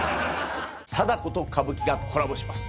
貞子と歌舞伎がコラボします。